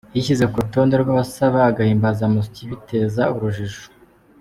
Yishyize ku rutonde rw’abasaba agahimbazamusyi biteza urujijo.